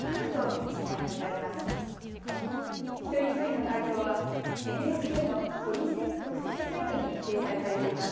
一人一人の回答はＮＨＫの都議選特設サイトに掲載されています。